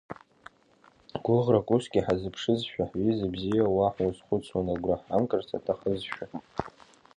Гәыӷрак усгьы ҳазыԥшызшәа, ҳҩыза бзиа уа ҳузхәыцуан, агәра ҳамгарц аҭахызшәа…